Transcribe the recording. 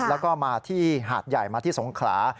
แล้วก็มาที่หาดใหญ่มาที่สงขลา